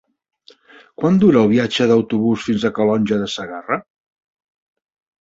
Quant dura el viatge en autobús fins a Calonge de Segarra?